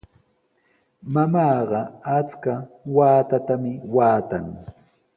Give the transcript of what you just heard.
Mamaaqa achka haatami waatan.